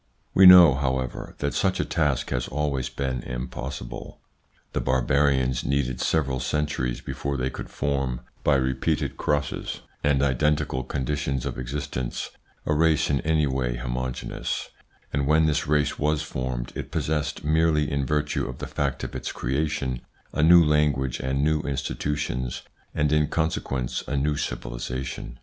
We know, however, that such a task has always been impossible. The Barbarians needed several centuries before they could form, by repeated crosses and identical conditions of existence, a race in any way homogeneous ; and when this race was formed it possessed, merely in virtue of the fact of its creation, a new language and new institutions, and in con sequence a new civilisation.